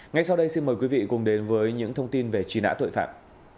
ngay sau đây xin mời quý vị cùng đến với những thông tin về truy nã tội phạm